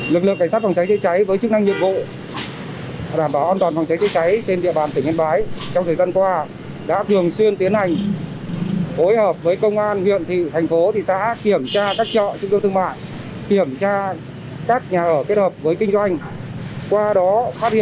lực lượng cảnh sát phòng cháy chữa cháy với chức năng nhiệm vụ đảm bảo an toàn phòng cháy chữa cháy trên địa bàn tỉnh yên bái trong thời gian qua đã thường xuyên tiến hành phối hợp với công an huyện thị thành phố thị xã kiểm tra các chợ trung tâm thương mại kiểm tra các nhà ở kết hợp với kinh doanh qua đó phát hiện